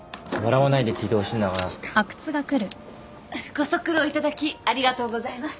ご足労いただきありがとうございます。